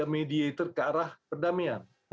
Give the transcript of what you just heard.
mediator ke arah perdamaian